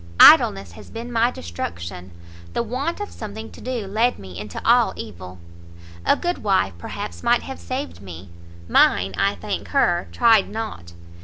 Idleness has been my destruction; the want of something to do led me into all evil. A good wife perhaps might have saved me, mine, I thank her! tried not.